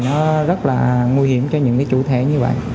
nó rất là nguy hiểm cho những chủ thẻ như vậy